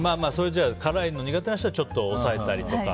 じゃあ、辛いのが苦手な人はちょっと抑えたりとか。